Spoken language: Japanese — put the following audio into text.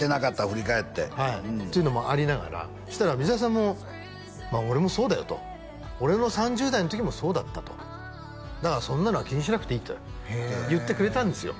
振り返ってはいというのもありながらそしたら水谷さんも俺もそうだよと俺の３０代の時もそうだったとだからそんなのは気にしなくていいって言ってくれたんですよ